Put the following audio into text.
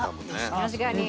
確かに。